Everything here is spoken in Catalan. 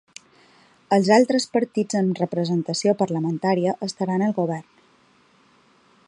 Els altres partits amb representació parlamentària estaran al govern.